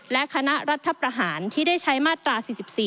และคณะรัฐประหารที่ได้ใช้มาตรา๔๔